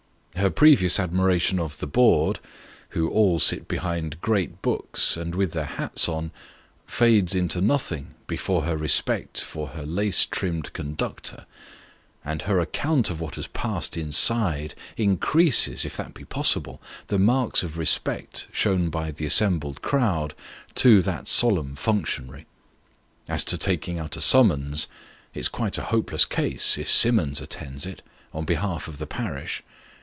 Her previous admiration of " the board " (who all sit behind great books, and with their hats on) fades into nothing before her respect for her lace trimmed conductor ; and her account of what has passed inside, increases if that be possible the marks of respect, shown by the assembled crowd, to that solemn functionary. As to taking out a summons, it's quite a hopeless case if Simmons attends it, on behalf of the parish.